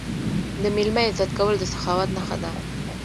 د میلمه عزت کول د سخاوت نښه ده.